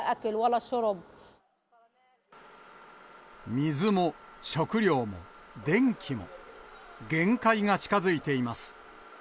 水も、食料も、電気も、限界が近づいています。